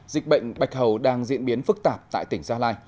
dịch bệnh bạch hầu đang diễn biến phức tạp tại tỉnh gia lai